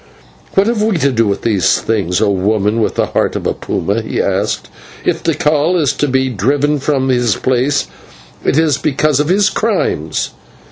"What have we to do with these things, O woman with the heart of a puma?" he asked. "If Tikal is to be driven from his place, it is because of his crimes."